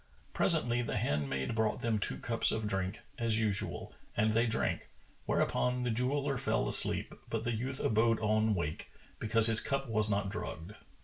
Presently, the handmaid brought them two cups of drink, as usual, and they drank; whereupon the jeweller fell asleep, but the youth abode on wake, because his cup was not drugged.